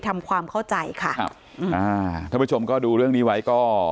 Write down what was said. ทำความเข้าใจค่ะครับอืมอ่าท่านผู้ชมก็ดูเรื่องนี้ไว้ก็